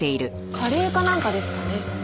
カレーかなんかですかね。